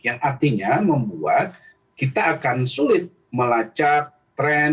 yang artinya membuat kita akan sulit melacak tren